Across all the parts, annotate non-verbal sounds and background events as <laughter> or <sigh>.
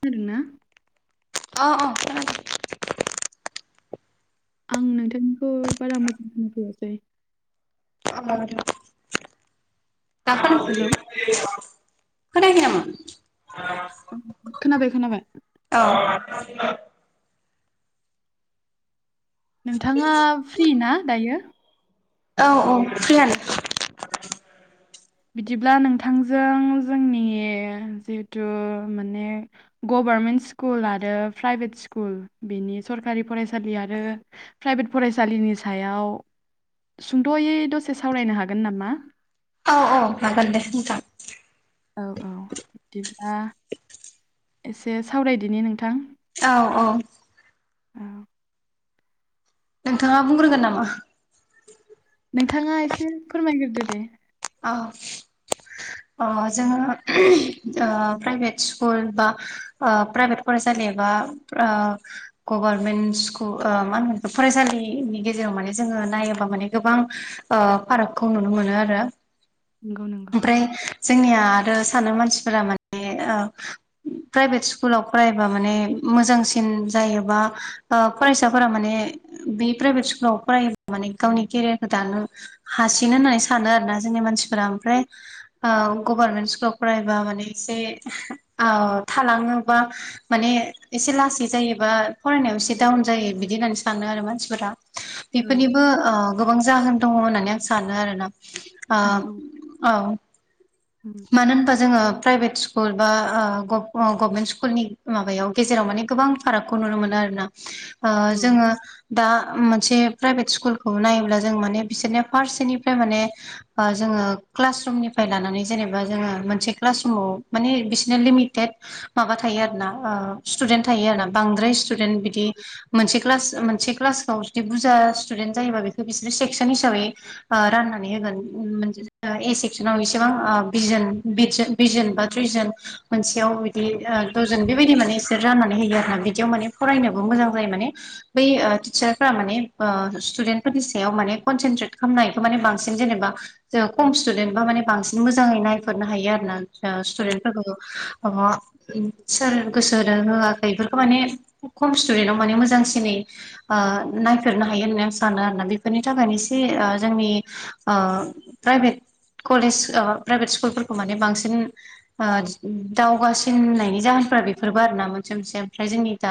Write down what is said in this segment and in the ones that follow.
खोनादों ना अ अ खोनादों आं नोंथांनिखौ बारा मोजां खोनाफैयासै <unintelligible> दा खोना हेलौ खोनायाखै नामा? औ खोनाबाय खोनाबाय <unintelligible> नोंथाङा फ्रि ना दायो? औ औ फ्रियानो बिदिब्ला नोंथांजों जोंनि जिहेथु माने गभारनमेन्ट स्कुल आरो प्राइभेट स्कुल बेनि सरखारि फरायसालि आरो प्राइभेट फरायसालिनि सायाव सुंद'यै दसे सावरायनो हागोन नामा औ औ हागोन दे नोंथां औ औ बिदिब्ला एसे सावरायदिनि नोंथां औ औ <inaudible> नोंथाङा बुंग्रोगोन नामा? नोंथाङा एसे फोरमायगोरदो दे <unintelligible> अ जोङो <unintelligible> ओ प्राइभेट स्कुल बा ओ प्राइभेट फरायसालि एबा ओ गभारमेन्ट स्कुल ओ मा होनोमोन बे फरायसालिनि गेजेराव माने जोङो नायोबा माने गोबां ओ फारागखौ नुनो मोनो आरो। नंगौ नंगौ ओमफ्राय जोंनिया आरो सानो मानसिफोरा माने ओ प्राइभेट स्कुलाव फरायबा माने मोजांसिन जायोबा ओ फरायसाफोरा माने बे प्राइभेट स्कुलाव फरायोबा माने गावनि केरियारखौ दानो हासिनो होननानै सानो आरोना जोंनि मानसिफोरा ओमफ्राय ओ गभारमेन्ट स्कुलाव फरायबा माने एसे ओ थालाङोबा माने एसे लासै जायोबा फरायनायाव एसे डाउन जायो बिदि होननानै सानो आरो मानसिफोरा औ बिफोरनिबो ओ गोबां जाहोन दङ होननानै आं सानो आरोना नंगौ औ उम मानो ओमबा जोङो प्राइभेट स्कुल बा ओ गभमेन्ट स्कुलनि माबायाव गेजेराव माने गोबां फारागखौ नुनो मोनो आरोना ओ औ जोङो दा मोनसे प्राइभेट स्कुलखौ नायोब्ला जों माने बिसोरनो फारसेनिफ्राय माने ओ जोङो क्लास रुमनिफ्राय लानानै जेनेबा जोङो मोनसे क्लास रुमाव माने बिसिना लिमिटेड माबा थायो आरोना ओ स्टुदेन्ट थायो आरोना बांद्राय स्टुदेन्ट बिदि मोनसे क्लास मोनसे क्लासखौ जुदि बुरजा स्टुडेन्ट जायोबा बेखो बिसोरो सेक्सन हिसाबै ओ राननानै होगोन ए सेक्सनाव एसेबां ओ बिजोन बिससोन बिजोन बा थ्रिजोन मोनसेयाव बिदि ओ दजन बेबायदि माने इसोर राननानै होयो आरोना बिदियाव माने फरायनोबो मोजां जायो माने बै ओ टिचारफोरा माने ओ स्टुडेन्टफोरनि सायाव माने कनसेन्ट्रेट खालामनाय एबा माने बांसिन जेनेबा जोहा खम स्टुदेन्ट बा माने बांसिन मोजाङै नायफोरनो हायो आरोना ओ स्टुदेन्टफोरखौ अ इन सोर गोसो होदों होआखै इफोरखो माने खम स्टुदेन्टाव माने मोजांसिनै ओ नायफेरनो हायो होननानै आं सानो आरोना बेफोरनि थाखायनो एसे ओ जोंनि ओ प्राइभेट कलेज ओ प्राइभेट स्कुलफोरखौ माने बांसिन ओ दावगासिननायनि जाहोनफ्रा बेफोरबो आरोना मोनसे मोनसे ओमफ्राय जोंनि दा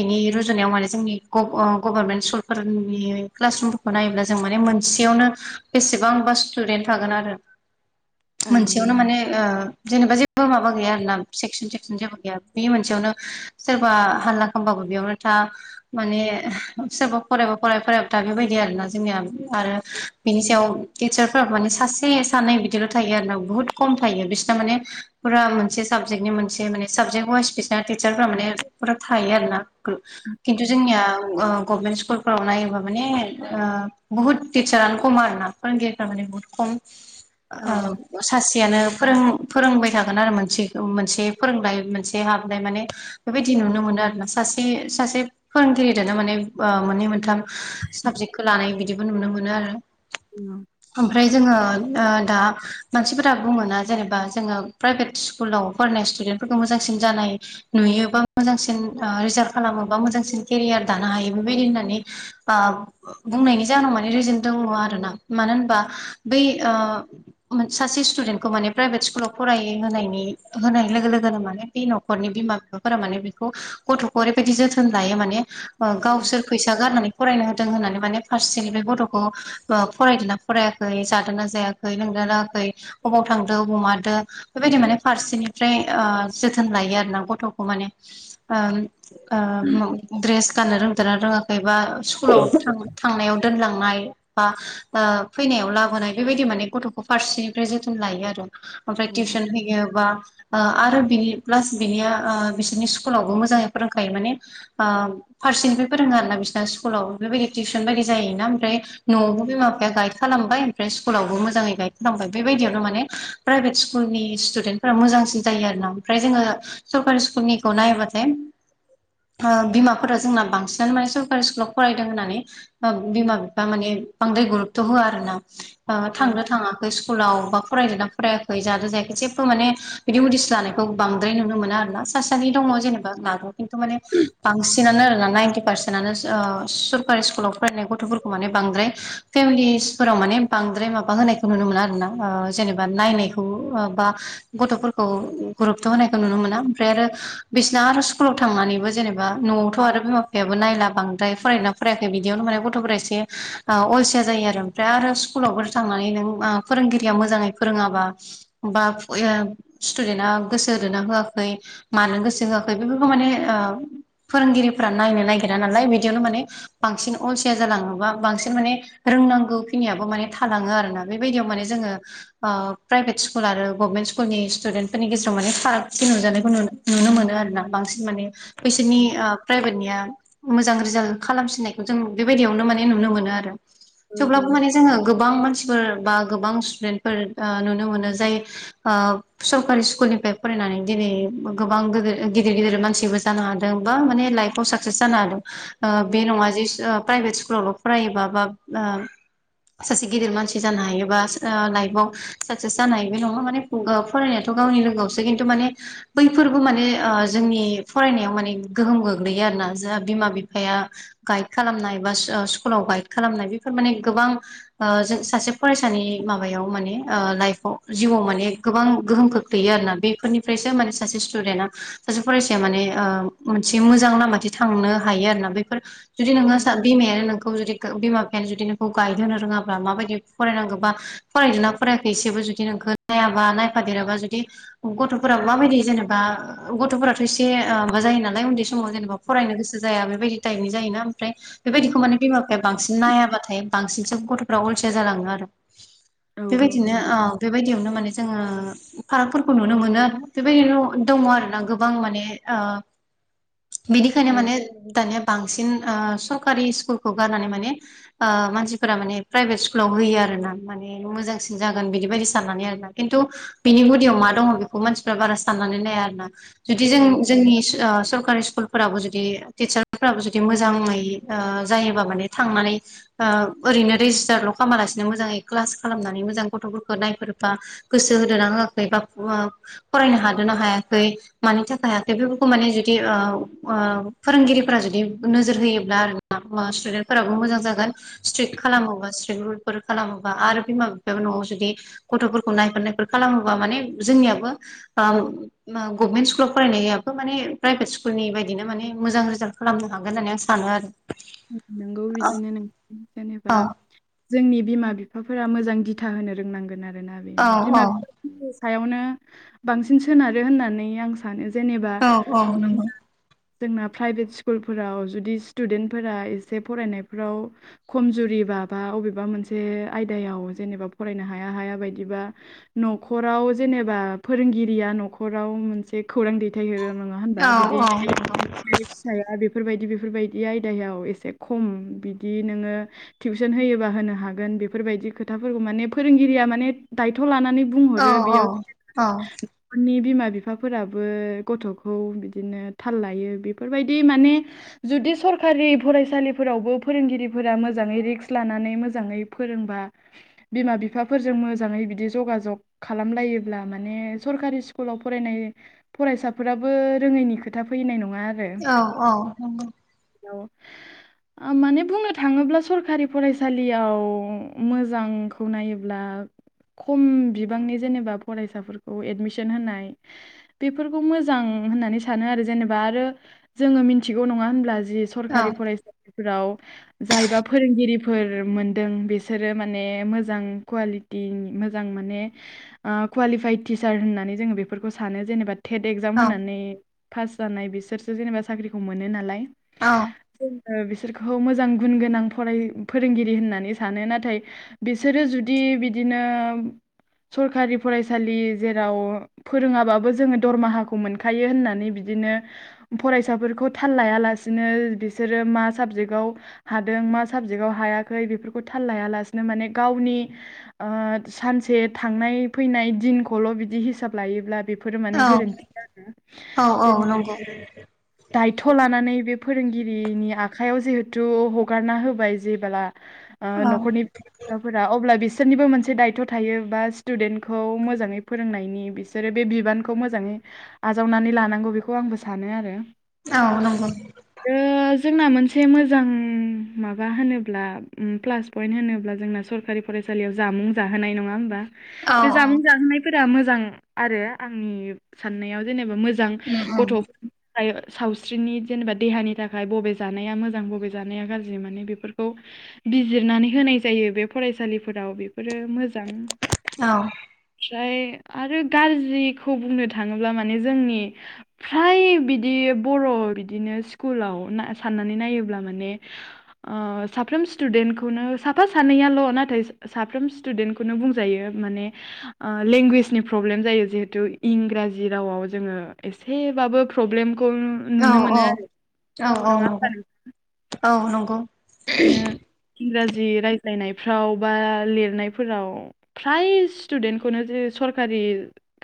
बेनि रुजुनायाव माने जोंनि गभ ओ गभर्नमेन्ट स्कुलफोरनि क्लासरुम खौ नायोब्ला जों माने मोनसेयावनो बेसेबांबा स्टुदेन्ट थागोन आरो। ओं मोनसेयावनो माने ओ जेनेबा जेबो माबा गैया आरोना सेेकसन सेकसन जेबो गैया बे मोनसेयावनो सोरबा हाल्ला खामबाबो बेयावनो था माने सोरबा फरायबा फराय फरायाबा था बेबायदि आरोना जोंनिया आरो बिनि सायाव टिचारफोराबो माने सासे सानै बिदिल' थायो आरोना बुहुत कम थायो बिसोरना माने फुरा मोनसे साबजेक्टनि मोनसे माने साबजेक्ट वाइस बिसोरना टिचारफ्रा माने फुरा थायो आरोना। <unintelligible> किनतु जोंनिया ओ गभमेन्ट स्कुल फोरखौ नायोबा माने ओ बुहुद टिचारानो कम आरोना फोरोंगिरिफ्रा माने बुहुत कम‌। ओं ओ सासेयानो फोरों फोरोंबाय थागोन आरो मोनसेखो मोनसे फोरोंनाय मोनसे हाबनाय माने बेबायदि नुनो मोनो आरोना सासे सासे फोरोंगिरि दाना माने ओ मोननै मोनथाम साबजेकखौ लानाय बिदिबो नुनो मोनो आरो औ ओमफ्राय जोङो ओ दा मानसिफोरा बुङोना जेनेबा जोङो प्राइभेट स्कुलाव फरायनाय स्टुदेन्टफोरखौ मोजांसिन जानाय। नुयो बा मोजांसिन ओ रिजाल्ट खालामोबा मोजांसिन केरियार दानो हायो बेबायदि होननानै ओब बुंनायनि जाहोनाव माने रिजोन दङ आरोना मानो होनबा बै ओ सासे स्टुदेन्तखौ माने प्राइभेट स्कुलाव फराय होनायनि होनाय लोगो लोगोनो माने बे न'खरनि बिमा बिफाफोरा माने बेखौ गथ'खौ ओरैबायदि जोथोन लायो माने ओ गावसोर फैसा गारनानै फरायनो होदों होननानै माने फारनिफ्राय गथ'खौ ओ फरायदोना फरायाखै जादोना जाया खै लोदोना लोङाखै अबाव थादो अबाव मादो बेबायदि माने फारसेनिफ्राय ओ जोथोन लायो आरोना गथ'खौ माने। ओम ओ दड्रेस गाननो रोंदोना रोङाखै बा स्कुलाव थां थांनायाव दोनलांनाय बा फैनायाव लाबोनाय बेबायदि माने गथ'खौ फारसेनिफ्राय जोथोन लायो आरो ओमफ्राय टिउसन होयोबा आरो बिनि प्लास बिनिया बिसोरनि स्कुलावबो मोजाङै फोरोंखायो माने आ फारसेनिफ्राय फोरोङो आरोना बिसना स्कुलाव बेबायदि टिउसन बायदि जायोना ओमफ्राय न'आवबो बिमा बिफाया गाइड खालामबाय ओमफ्राय स्कुलावबो मो जाङै गाइड खालामबाय बेबायदियावनो माने प्राइभेट स्कुलनि स्टुडेन्टफोरा मोजांसिन जायो आरोना ओमफ्राय जोङो सरकारि स्कुलनिखौ नायबाथाय आ बिमाफोरा जोंना बांसिनानो माने सरकारि स्कुलाव फरायदों होननानै बिमा बिफा माने बांद्राय गुरथ' होआ आरोना औ थांनो थाङा स्कुलाव बा फरायदोना फरायाखै जादो जायाखै जेबबो माने बिदि उदिस लानायखौ बांद्राय नुनो मोना आरोना साफा सानै दङ जेनेबा मागौ खिन्थु माने बांसिनानो आरोना नाइनटि पारसेन्टआनो सरकारि स्कुलाव फरायनाय गथ'फोरखौ माने बांद्राय फेमिलिसफोराव माने बांद्राय माबा गोबां होनायखौ नुनो मोना आरोना जेनेबा नायनायखौ बा गथ'फोरखौ गुरथ' होनायखौ नुनो मोना ओमफ्राय आरो बिसोना आरो स्कुलाव थांनानैबो जेनेबा न'आव गथ' आरो बिमा फिफायाबो नायला बांद्राय फरायदोना फरायाखै बिदियावनो माने गथ'फोरा एसे अलसिया जायो आरो ओमफ्राय आरो स्कुलावबो थांनानै नों ओ फोरोंगिरिया मोजाङै फोरोङाबा बा <unintelligible> स्टुदेन्टा गोसो होदोना होआखै मानो गोसो होआखै बेफोरखौ माने फोरोंगिरिफोरा नायनो नागिरा नालाय बिदियावनो माने बांसिन अलसिया जालाङोबा बांसिन माने रोंनांगौखिनियाबो माने थालाङो आरोना बेबायदियाव माने जोङो आ प्राइभे स्कुल आरो गभर्मेन्ट स्कुलनि स्टुडेन्टफोरनि गेजेराव माने फागथि नुजानायखौ नुनो नुनो मोनो आरोना बांसिन माने बैसोरनि आ प्राइभेटनिया मोजां रिजाल्ट खालामसिननायखौ जों बेबायदियावनो माने नुनो मोनो आरो औ थेवब्लाबो माने जोङो गोबां मानसिफोर बा गोबां स्टुदेन्टफोर नुनो मोनो जाय आ सरकारि स्कुलनिफ्राय फरायनानै दिनै गोबां गिदिर गिदिर मानसिबो जानो हादों बा माने लाइफआव साक्सेस जानो हादों ओ बे नङा जे प्राइभेट स्कुलावल' फरायोबा बा सासे गिदिर मानसि जानो हायोबा लाइफाव साक्सेस जानो हायो बे नङा माने फरायनायाथ' गावनि लोगोआवसो खिन्थु माने बैफोरबो माने जोंनि फरायनायाव माने गोहोम गोग्लैयो आरोना जोंहा बिमा बिफाया गाइड खालामनाय बा स्कुलाव गाइड खालामनाय बेफोर माने गोबां ओ जो सासे फरायसानि माबायाव माने लाइफाव जिउआव माने गोबां गोहोम खोख्लै ख्लैयो आरोना बेफोरनिफ्रायसो माने सासे स्टुडेन्टआ सासे फरायसाया माने मोनसे मोजां लामाथि थांनो हायो आरोना बेफोर जुदि नोङो बिमायानो नोंखौ जुदि बिमा बिफायानो जुदि नोंखौ गाइड होनो रोङाब्ला माबायदि फरायनांगौ बा फरायदोना फरायाखै एसेबो जुदि नोंखौ नायाबा नायफादेराबा जुदि गथ'फोरा माबायदि जेनेबा गथ'फोराथ' एसे माबा जायो नालाय उन्दै समाव जेनेबा फरायनो गोसो जाया बेबायदि टाइपनि जायोना ओमफ्राय बेबायदिखौ माने बिमा बिफाया बांसिन नायाबाथाय बांसिनसो गथ'फ्रा अलसिया जालाङो आरो औ औ बेबायदिनो नंगौ आ बेबायदियावनो माने जोङो फारागफोरखौ नुनो मोनो बेबायदिनो दङ आरोना गोबां माने आ बिदिखायनो औ माने दानिया बांसिन सरकारि स्कुलखौ गारनानै माने मानसिफोरा माने प्राइभेट स्कुलाव होयो आरोना माने मोजांसिन जागोन बिदिबायदि साननानै आरोना खिन्थु बिनि गुदियाव मा दङ बेखौ मानसिफ्रा बारा साननानै नाया आरोना जुदि जों औ जोंनि सरकारि स्कुलफोराबो जुदि टिचारफोराबो जुदि मोजाङै जायोबा माने थांनानै ओ ओरैनो रेजिस्टारल' खामालासिनो मोजाङै क्लास खालामनानै मोजां गथ'फोरखौ नायफोरोबा गोसो होदना होआखै बा फरायनो हादोना हायाखै मानि थाखाय हायाखै बेफोरखौ माने जुदि आ फोरोंगिरिफोरा जुदि नोजोर होयोब्ला आरो मा स्टुडेन्टफोराबो मोजां जागोन स्ट्रिक खालामोबा एसे रुल फोर खालामोबा आरो बिमा बिफाबो न'आव जुदि गथ'फोरखौ नायफोर नायफोर खालामोबा माने जोंनियाबो ओ गभमेन्ट स्कुलावबो फरायनायाबो माने प्राइभेट स्कुलनि बायदिनो माने मोजां रिजाल खालामनो हागोन होननानै आं सानो आरो नांगौ बिदिनो नों जेनेबा औ जोंनि बिमा बिफाफोरा मोजां दिथा होनो रोंनांगोन आरो ना औ बेनोमा औ नि सायावनो बांसिन सोनारो होननानै आं सा जेनेबा औ औ नंगौ जोंना प्राइभेट स्कुलफोराव जुदि स्टुडेन्ट फोरा‌ एसे फरायनायफोराव खमजुरिबा बा अबेबा मोनसे आयदायाव जेनेबा फरायनो हाया हाया बायदिबा न'खराव जेनेबा फोरोंगिरिया न'खराव मोनसे खौरां दैथायहरो नंङा मा औ होनबा बिदि औ नंगौ फिसाया बेफोरबायदि बेफोरबायदि आ बिदायाव एसे खम बिदि नोंङो टिउसन होयोबा होनो हागोन बेफोरबायदि खोथाफोरखौ माने फोरोंगिरिया माने दायथ' लानानै औ बुंहरो बेयाव औ नखरनि बिमा बिफाफोराबो गथ'खौ बिदिनो थाल लायो बेफोरबायदि माने जुदि सर सरकारि फरायसालिफोरावबो फोरोंगिरिफोरा मोजाङै रिक्स लानानै मोजाङै फोरोंबा बिमा बिफाफोरजों मोजांङै बिदि जगाजग खालामलायोब्ला माने सरकारि स्कुलाव फरायनाय फरायसाफोराबो रोङैनि खोथा फैनाय नंङा आरो औ औ औ माने बुंनो थाङोब्ला सरखारि फरायसालियाव मोजां खौ नायोब्ला खम बिबांनि जेनेबा फरायसाफोरखौ एडमिसन होनाय बेफोरखौ मोजां होननानै सानो आरो जेनेबा आरो जोंङो मिथिगौ नंङा होनब्ला जि औ सरखारि फरायसालिफोराव जायबा फोरोंगिरिफोर मोनदों बिसोरो माने मोजां कुवालिटि मोजां माने कुवालिफाइड टिचार होननानै जोंङो बेफोरखौ सानो जेनेबा टेट एक्जाम होनानै पास जानाय बिसोरसो जेनेबा साख्रिखौ मोनो नालाय औ जोंङो बिसोरखौ मोजां गुन गोनां फराय फोरोंगिरि होननानै सानो नाथाय बिसोरो जुदि बिदिनो सरखारि फरायसालि जेराव फोरोंङाबाबो जोङो दरमाहाखौ मोनखायो होननानै बिदिनो फरायसाफोरखौ थाल लायालासिनो बिसोरो मा साबजेक्टआव हादों मा साबजेक्टआव हायाखै बेफोरखौ थाल लायालासिनो माने गावनि ओ सानसे थांनाय फैनाय दिनखौल' बिदि हिसाब लायोब्ला बेफोरो माने गोरोन्थि आरो औ औ जेनेबा नंगौ दायथ' लानानै बे फोरोंगिरिनि आखाइयाव जिहेथु हगारना होबाय जेबोला ओ औ न'खरनि सिराफोरा अब्ला बिसोरनिबो मोनसे दायथ' थायो बा स्टुदेन्टखौ मोजांङै फोरोंनायनि बिस बिसोरो बे बिबानखौ मोजांङै आजावनानै लानांगौ बेखौ आंबो सानो आरो औ नंगौ जोंना मोनसे मोजां माबा होनोब्ला उम प्लास पयन्ट होनोब्ला जोंना सरखारि फरायसालियाव जामुं जाहोनाय नंङा होनबा औ बे औ जामुं जाहोनायफोरा मोजां आरो आंनि साननायाव जेनेबा मोजां उम उम मोजां गथ' सावस्रिनि जेनेबा देहानि नि थाखाय बबे जानाया मोजां बबे जानाया गाज्रि माने बेफोरखौ बिजिरनानै होनाय जायो बे फरायसालिफोराव बेफोरो मोजां औ ओमफ्राय आरो गाज्रिखौ बुंनो थांङोब्ला माने जोंनि फ्राय बिदि बर' बिदिनो स्कुलाव साननानै नायोब्ला माने ओ साफ्रोम स्टुडेन्टखौनो साफा सानैयाल' नाथाय साफ्रोम स्टुदेन्टखौनो बुंजायो माने ओ लेंगुवेजनि प्रब्लेम जायो जिहेतु इंराजि रावाव जोङो एस एसेबाबो प्रब्लेमखौ औ नुनो मोनो आरो औ औ औ नङा नंगौ होमबा औ नंगौ बिदिनो इंराजि रायज्लायनायफ्राव बा लिरनायफोराव फ्राय स्टुदेन्टखौनो जे सरखारि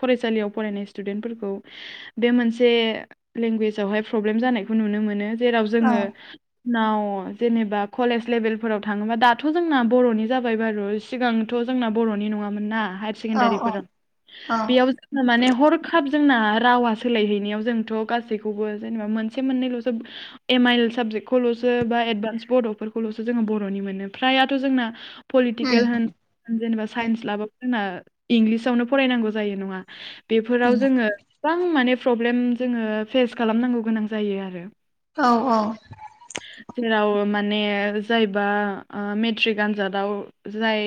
फरायसालियाव फरायनाय स्टुडेन्टफोरखौ बे मोनसे लेंगुवेजावहाय प्रब्लेम जानायखौ नुनो मोनो जेराव जोङो उनाव जेनेबा कलेज लेभेलफोराव थाङोबा दाथ' जोंना बर'नि जाबाय बारु सिगांथ' जोंना बर'नि नङामोन ना औ औ सेकेण्डारिफोर बेयाव माने हरखाब जोंना रावा सोलायहैनायाव जोंथ' गासैखौबो जेनेबा मोनसे मोननैल'सो एम आइल साबजेक्ट खौल'सो बा एडभान्स बड' फोरखौल'सो जोङो बर'नि मोनो फ्रायथ' जोंना उम पलिटिकेल होन जेनेबा साइन्स लाबाबो जोंना इंलिसावनो फरायनांगौ जायो नंङा बेफोराव जोंङो गोबां माने प्रब्लेम जोङो फेस खालामनांगौ गोनां जायो आरो औ औ जेराव मा माने जायबा मेट्रिक आनजादाव जाय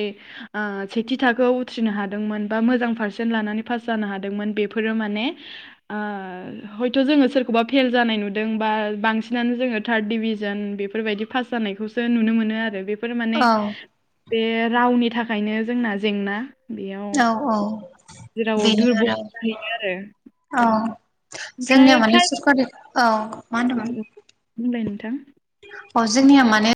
ओ सेथि थाखोआव उथ्रिनो हादोंमोन बा मोजां पार्सेन्ट लानानै पास जानो हादोंमोन बेफोरो माने ओ हयथ' जोङो सोरखौबा फेल जानाय नुदों बा बांसिनानो जोङो थार्ड डिभिजन बेफोरबायदि पास जानायखौसो नुनो मोनो आरो बेफोर माने औ बे रावनि थाखायनो जोंना जेंना बेयाव औ औ जेराव बेनो दुरबल आरो जाहैयो आरो औ जोंनिया ओमफ्राय माने सरखारि औ मा होनदोमोन प्राइभेट बुंलाय नोंथां अ जोंनिया माने